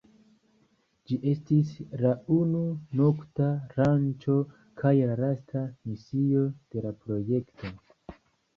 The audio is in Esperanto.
Ĝi estis la unu nokta lanĉo kaj la lasta misio de la projekto.